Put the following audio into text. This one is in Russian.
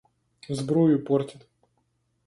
Сбрую портят.